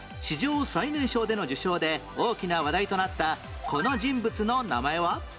史上最年少での受賞で大きな話題となったこの人物の名前は？